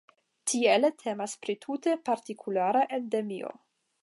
Tiele temas pri tute partikulara endemio.